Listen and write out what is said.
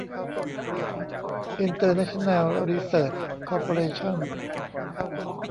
อินเตอร์เนชั่นแนล รีเสริช คอร์ปอเรชั่น